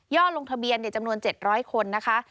ลงทะเบียนจำนวน๗๐๐คนนะคะ